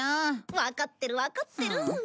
わかってるわかってる。